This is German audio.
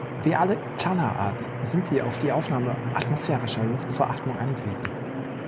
Wie alle "Channa"-Arten sind sie auf die Aufnahme atmosphärischer Luft zur Atmung angewiesen.